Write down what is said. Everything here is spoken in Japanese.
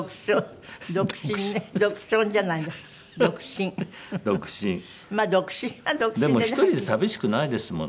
でも１人で寂しくないですもの。